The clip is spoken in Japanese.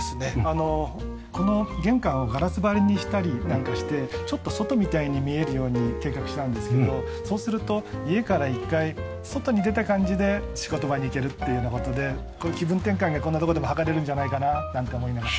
あのこの玄関をガラス張りにしたりなんかしてちょっと外みたいに見えるように計画したんですけどそうすると家から一回外に出た感じで仕事場に行けるというような事で気分転換がこんなところでも図れるんじゃないかななんて思いながら。